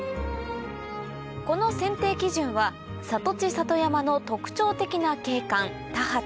この選定基準は里地里山の特徴的な景観田畑